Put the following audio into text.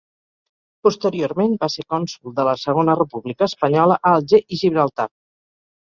Posteriorment va ser cònsol de la Segona República Espanyola a Alger i Gibraltar.